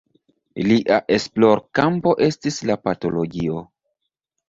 Lia esplorkampo estis la patologio.